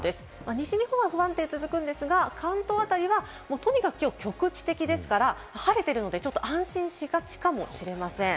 西日本は不安定が続くんですが関東辺りは、とにかくきょうは局地的ですから、晴れているので安心しがちかもしれません。